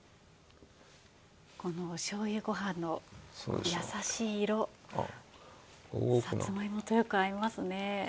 この醤油ご飯の優しい色さつまいもとよく合いますね。